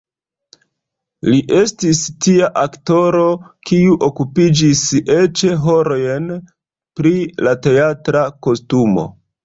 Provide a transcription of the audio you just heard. Li estis tia aktoro, kiu okupiĝis eĉ horojn pri la teatra kostumo.